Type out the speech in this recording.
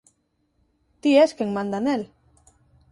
Ti es quen manda nel.